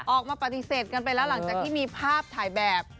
ออกมาปฏิเสธกันไปแล้วหลังจากที่มีภาพถ่ายแบบ